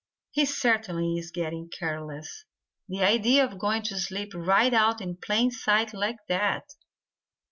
He certainly is getting careless. The idea of going to sleep right out in plain sight like that!"